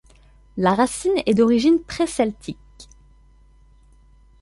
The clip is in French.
La racine est d'origine préceltique.